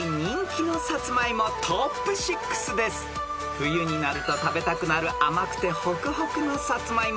［冬になると食べたくなる甘くてホクホクのサツマイモ］